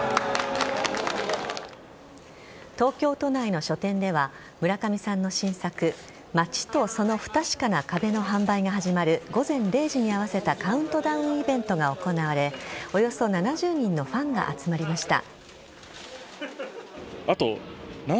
東京都内の書店では村上さんの新作「街とその不確かな壁」の販売が始まる午前０時に合わせたカウントダウンイベントが行われおよそ７０人のファンが集まりました。